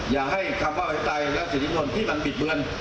อย่าให้คำว่าไอ้ไตรและศิริงนทร์ที่มันบิดเบือน